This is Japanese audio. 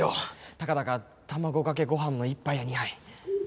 たかだか卵かけご飯の１杯や２杯。